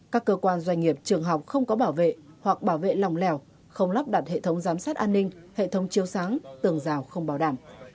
các cơ quan doanh nghiệp trường học không có bảo vệ hoặc bảo vệ lòng lèo không lắp đặt hệ thống giám sát an ninh hệ thống chiêu sáng tường rào không bảo đảm